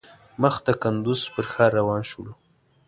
مخ د کندوز پر ښار روان شولو.